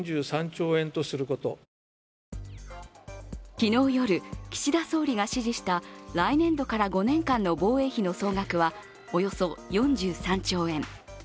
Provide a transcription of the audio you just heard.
昨日夜、岸田総理が指示した来年度から５年間の防衛費の総額はおよそ４３兆円。